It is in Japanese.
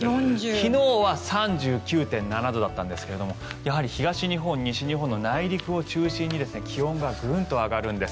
昨日は３９．７度だったんですけれどもやはり東日本、西日本の内陸を中心に気温がグンと上がるんです。